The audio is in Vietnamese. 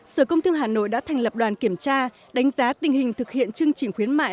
sở công thương hà nội đã thành lập đoàn kiểm tra đánh giá tình hình thực hiện chương trình khuyến mại